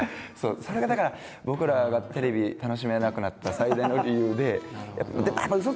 それがだから僕らがテレビ楽しめなくなった最大の理由で。